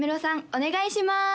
お願いします